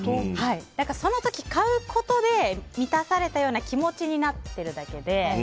その時、買うことで満たされたような気持ちになってるだけで。